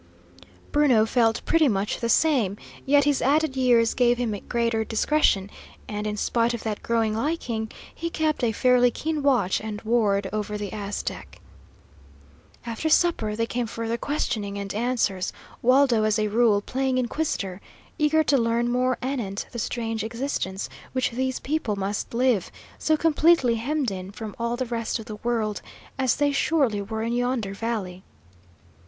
Bruno felt pretty much the same, yet his added years gave him greater discretion, and, in spite of that growing liking, he kept a fairly keen watch and ward over the Aztec. After supper there came further questioning and answers, Waldo as a rule playing inquisitor, eager to learn more anent the strange existence which these people must live, so completely hemmed in from all the rest of the world as they surely were in yonder valley.